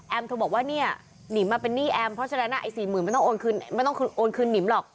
แอมเธอบอกว่าเนี้ยนิ้มมาเป็นหนี้แอมเพราะฉะนั้นไอ้สี่หมื่นไม่ต้องโอนคืนไม่ต้องคืนโอนคืนนิ้มหรอก